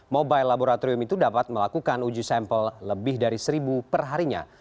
mobile laboratorium itu dapat melakukan uji sampel lebih dari seribu perharinya